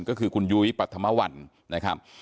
ก็คือคุณยุ้ยปรัฐมวัลนะครับ